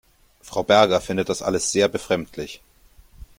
Frau Berger findet das alles sehr befremdlich.